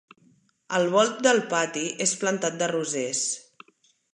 El volt del pati és plantat de rosers.